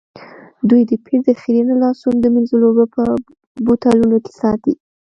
دوی د پیر د خیرنو لاسونو د مینځلو اوبه په بوتلونو کې ساتي.